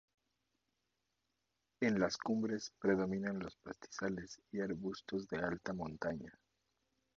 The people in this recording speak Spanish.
En las cumbres predominan los pastizales y arbustos de alta montaña.